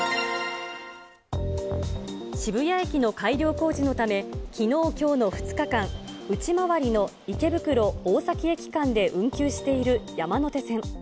渋谷駅の改良工事のため、きのう、きょうの２日間、内回りの池袋・大崎駅間で運休している山手線。